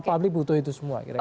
publik butuh itu semua kira kira